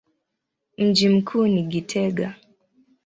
Mji mkuu ni Gitega.